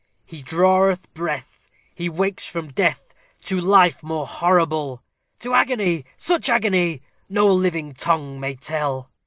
He draweth breath he wakes from death to life more horrible; To agony! such agony! no living tongue may tell.